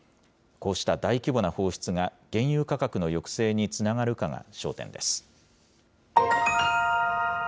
こうした大規模な放出が、原油価格の抑制につながるかが焦点です。